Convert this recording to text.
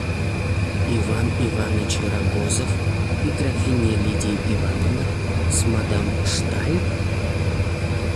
Иван Иваныч Рагозов и графиня Лидия Ивановна с мадам Шталь?